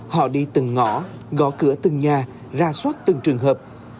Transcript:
họ đi từng ngõ gõ cửa từng nhà ra soát từng trường hợp